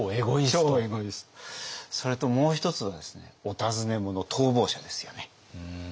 それともう一つはですねお尋ね者逃亡者ですよね。